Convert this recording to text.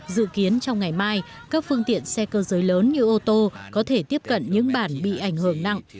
dự kiến trong ngày mai các phương tiện xe cơ giới lớn như ô tô có thể tiếp cận những bản bị ảnh hưởng nặng